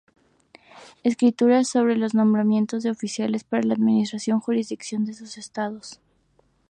Escrituras sobre los nombramientos de oficiales para la administración y jurisdicción de sus estados.